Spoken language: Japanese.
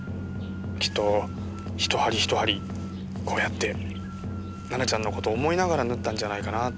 きっと一針一針こうやって奈々ちゃんの事を思いながら縫ったんじゃないかなあって。